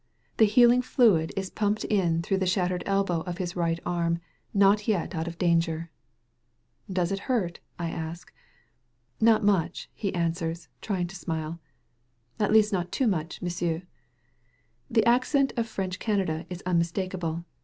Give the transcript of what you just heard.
The healing fluid is being pumped in through the shattered elbow of his right arm, not yet out of danger. "Does it hurt," I ask. "Not much," he answers, trying to smile, "at least not too much, M'sieu'." The accent of French Canada is unmistakable.